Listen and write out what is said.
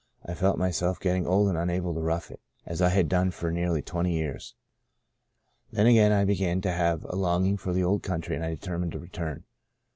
I felt myself getting old and unable to rough it, as I had done for nearly twenty years. Then again I began to have a longing for the old country and I determined to return.